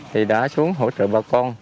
thì đã xuống hỗ trợ bà con